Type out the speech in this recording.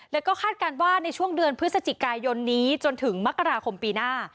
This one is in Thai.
แล้วก็คาดการณ์ว่าในช่วงเดือนพฤศจิกายนนี้จนถึงมกราคมปีหน้า